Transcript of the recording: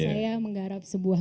saya menggarap sebuah